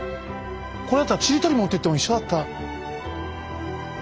これだったらちりとり持ってっても一緒だった。